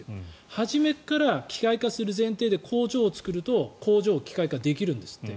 初めから機械化する前提で工場を作ると工場を機械化できるんですって。